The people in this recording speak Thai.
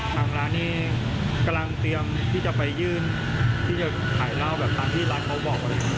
ทางร้านนี้กำลังเตรียมที่จะไปยื่นที่จะขายเหล้าแบบตามที่ร้านเขาบอกเลยครับ